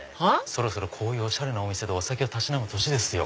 そろそろおしゃれなお店でお酒をたしなむ年ですよ。